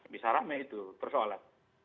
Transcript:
bisa rame itu persoalan